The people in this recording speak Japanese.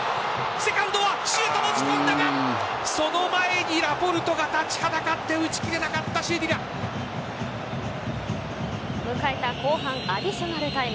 セカンドはシュート押し込んだがその前にラポルトが立ちはだかって迎えた後半アディショナルタイム。